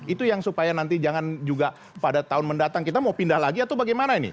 itu yang supaya nanti jangan juga pada tahun mendatang kita mau pindah lagi atau bagaimana ini